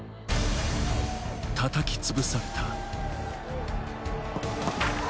たたきつぶされた。